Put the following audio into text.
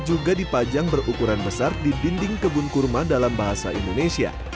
juga dipajang berukuran besar di dinding kebun kurma dalam bahasa indonesia